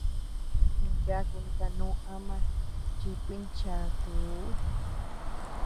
Noo yakun kanuu ama chikuincháakuu.